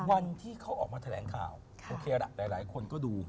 วันที่เขาออกมาแถลงข่าวโอเคละหลายคนก็ดู